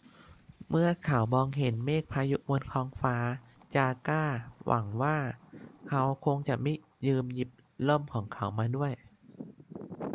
เมื่อเขามองเห็นเมฆพายุบนท้องฟ้า จาก้าหวังว่า เขาคงจะไม่ลืมหยิบร่มของเขามาด้วย